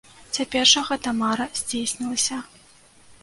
Цяпер жа гэта мара здзейснілася.